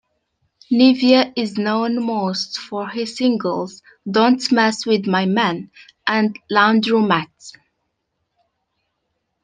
Nivea is known most for her singles "Don't Mess with My Man" and "Laundromat".